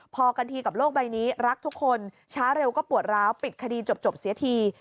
พอกันทีกับโลกใบนี้รักทุกคนช้าเร็วก็ปวดร้าวปิดคดีจบเสียที